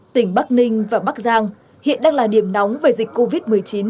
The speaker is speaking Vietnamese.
tỉnh bắc ninh và bắc giang hiện đang là điểm nóng về dịch covid một mươi chín